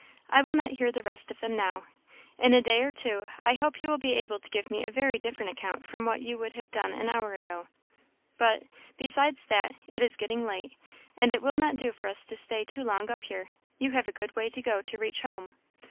I will not hear the rest of them now. In a day or two I hope you will be able to give me a very different account from what you would have done an hour ago; but, besides that, it is getting late, and it will not do for us to stay too long up here; you have a good way to go to reach home.